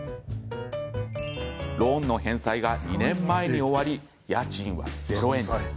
ローンの返済が２年前に終わり家賃は０円に。